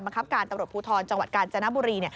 ครับการตำรวจภูทรจังหวัดกาญจนบุรี